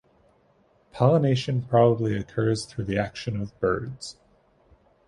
Pollination probably occurs through the action of birds.